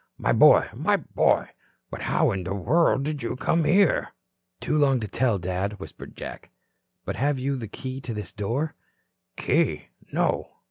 My boy, my boy. But how in the world did you come here?" "Too long to tell, Dad," whispered Jack. "But have you the key to this door?" "Key? No."